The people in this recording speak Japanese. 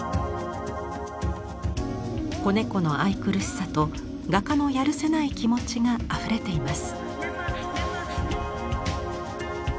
子猫の愛くるしさと画家のやるせない気持ちがあふれています。